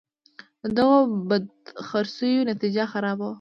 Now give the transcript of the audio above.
د دغو بدخرڅیو نتیجه خرابه وه.